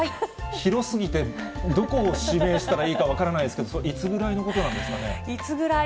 広すぎて、どこを指名したらいいか分からないですけど、それ、いつぐらいのいつぐらい？